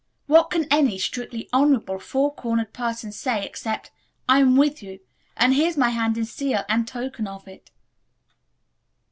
What can any strictly honorable, four cornered person say except, 'I'm with you,' and here's my hand in seal and token of it."